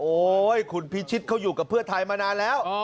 คุณพิชิตเขาอยู่กับเพื่อไทยมานานแล้ว